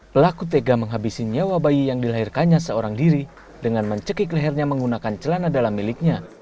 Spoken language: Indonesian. pelaku tega menghabisi nyawa bayi yang dilahirkannya seorang diri dengan mencekik lehernya menggunakan celana dalam miliknya